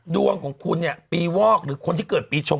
ดวงของคุณเนี่ยปีวอกหรือคนที่เกิดปีชง